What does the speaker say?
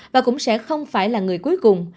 và cũng sẽ không phải là người cuối cùng